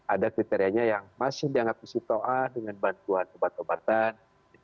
ada kriterianya yang masih dianggap istiqa ah dengan bantuan obat obatan